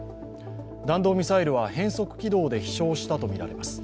弾道ミサイルは変則軌道で飛翔したとみられます。